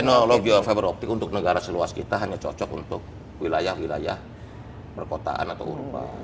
teknologi fiber optik untuk negara seluas kita hanya cocok untuk wilayah wilayah perkotaan atau urban